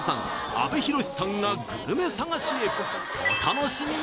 阿部寛さんがグルメ探しへお楽しみに